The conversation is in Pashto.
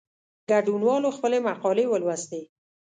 ګډونوالو خپلي مقالې ولوستې.